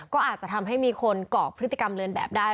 ก็อาจจะทำให้มีคนเกาะพฤติกรรมเรือนแบบได้